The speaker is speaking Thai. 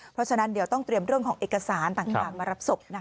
เพราะฉะนั้นเดี๋ยวต้องเตรียมเรื่องของเอกสารต่างมารับศพนะคะ